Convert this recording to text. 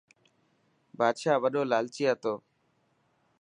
بادشاهه وڏو لالچي هتو.